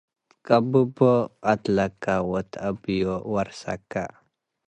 ትቀብቦ ቀትለከ፣ ወተአብዩ ወርሰከ።